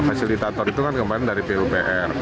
fasilitator itu kan kemarin dari pupr